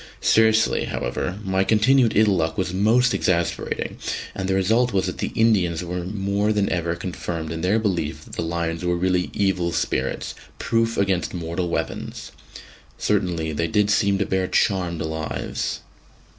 Seriously, however, my continued ill luck was most exasperating; and the result was that the Indians were more than ever confirmed in their belief that the lions were really evil spirits, proof against mortal weapons. Certainly, they did seem to bear charmed lives.